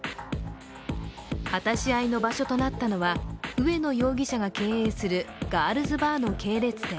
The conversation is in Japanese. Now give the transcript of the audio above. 果たし合いの場所となったのは上野容疑者が経営するガールズバーの系列店。